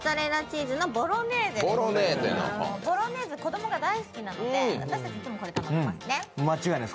ボロネーゼ、子供が大好きなので私たちいつもこれを頼みます。